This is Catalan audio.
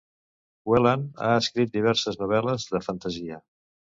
Whelan ha escrit diverses novel·les de fantasia.